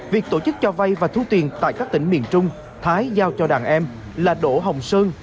việc tổ chức cho vay và thu tiền tại các tỉnh miền trung thái giao cho đàn em là đỗ hồng sơn